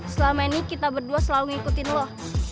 selama ini kita berdua selalu ngikutin loh